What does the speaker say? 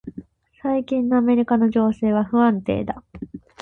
最近のアメリカの情勢は不安定だ。